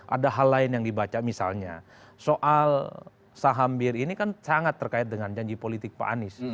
ada hal lain yang dibaca misalnya soal saham bir ini kan sangat terkait dengan janji politik pak anies